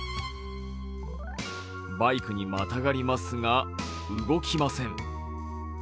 バイクにまたがりますが動きません。